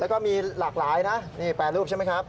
แล้วก็มีหลากหลายนะนี่แปรรูปใช่ไหมครับ